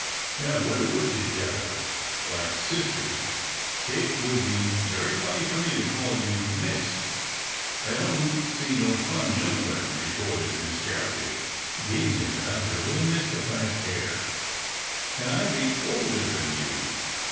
" Now if we're to work together like sis ters, it would be very funny for me to call you ' Miss.' "" I don't see no fun nowhere," retorted Miss Garraby, gazing about her with a mystified air, " an' I be older than you.